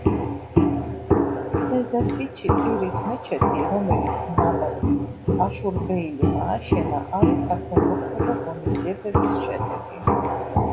თეზეპირის მეჩეთი, რომელიც ნაბათ აშურბეილიმ ააშენა არის საქველმოქმედო ღონისძიებების შედეგი.